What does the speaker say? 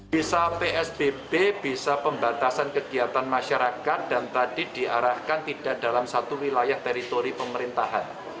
bisa psbb bisa pembatasan kegiatan masyarakat dan tadi diarahkan tidak dalam satu wilayah teritori pemerintahan